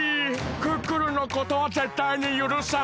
クックルンのことはぜったいにゆるさん！